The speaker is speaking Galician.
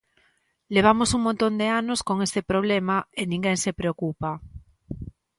Levamos un montón de anos con este problema e ninguén se preocupa.